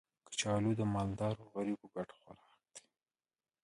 کچالو د مالدارو او غریبو ګډ خوراک دی